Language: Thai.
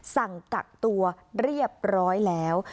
สั่งกักตัวเรียบร้อยแล้ว